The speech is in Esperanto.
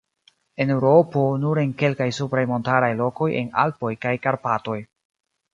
En Eŭropo nur en kalkaj supraj montaraj lokoj en Alpoj kaj Karpatoj.